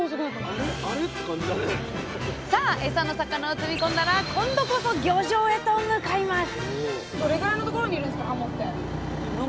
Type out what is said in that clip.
エサの魚を積み込んだら今度こそ漁場へと向かいます！